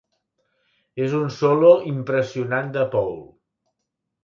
És un solo impressionant de Paul.